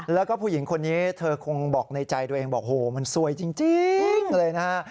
แล้วก็ผู้หญิงคนนี้เธอคงบอกในใจตัวเองบอกโหมันซวยจริงเลยนะฮะ